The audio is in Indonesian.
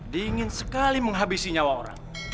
dingin sekali menghabisi nyawa orang